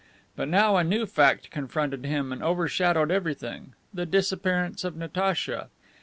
But now a new fact confronted him and overshadowed everything: the disappearance of Natacha.